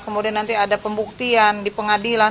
kemudian nanti ada pembuktian di pengadilan